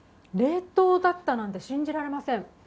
冷凍だったなんて信じられません。